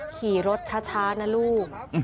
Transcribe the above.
ขี่รถช้านะลูก